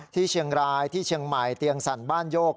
ที่เชียงรายที่เชียงใหม่เตียงสั่นบ้านโยก